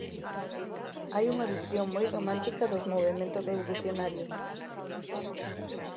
Hai unha visión moi romántica dos movementos revolucionarios.